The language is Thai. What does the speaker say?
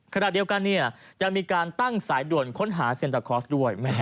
ขณะเดียวกันยังมีการตั้งสายด่วนค้นหาเซ็นตาคอร์สด้วย